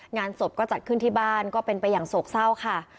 งานศพก็จัดขึ้นที่บ้านเป็นักต่างไปอย่างโสกส้าวค่ะ